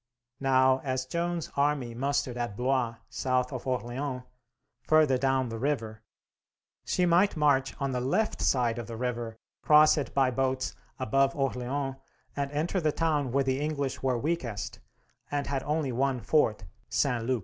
Now, as Joan's army mustered at Blois, south of Orleans, further down the river, she might march on the left side of the river, cross it by boats above Orleans, and enter the town where the English were weakest and had only one fort, St. Loup.